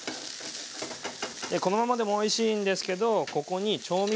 このままでもおいしいんですけどここに調味料。